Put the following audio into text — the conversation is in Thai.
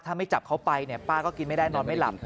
ถ้าไม่จับเขาไปเนี่ยป้าก็กินไม่ได้นอนไม่หลับ